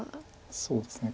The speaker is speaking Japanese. そうですね。